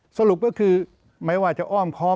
สรุปก็คือไม่ว่าจะอ้อมคอ